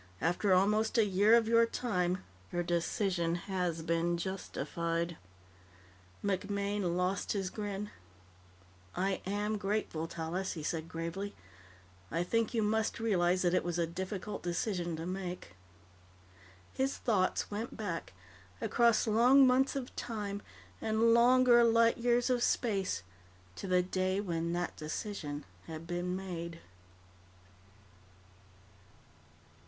After almost a year of your time, your decision has been justified." MacMaine lost his grin. "I am grateful, Tallis," he said gravely. "I think you must realize that it was a difficult decision to make." His thoughts went back, across long months of time and longer light years of space, to the day when that decision had been made.